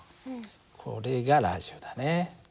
これがラジオだね。